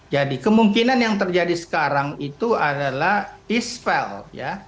kemungkinan yang terjadi sekarang itu adalah east file ya